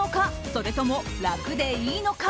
それとも楽でいいのか？